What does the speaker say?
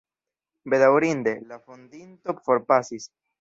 Bedaŭrinde, la fondinto forpasis.